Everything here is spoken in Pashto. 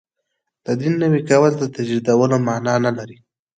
د دین نوی کول د تجدیدولو معنا نه لري.